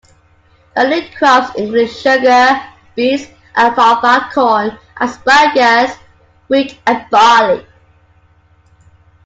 Early crops included sugar beets, alfalfa, corn, asparagus, wheat and barley.